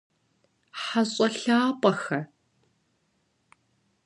Хьэщӏэ лъапӏэхэ!